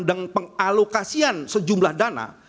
dan pengalokasian sejumlah dana